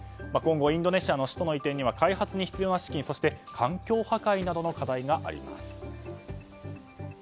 今後、インドネシアの首都の移転には開発に必要な資金環境破壊などの課題があります。